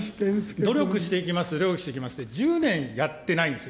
努力していきます、努力していきますって、１０年やってないんですよ。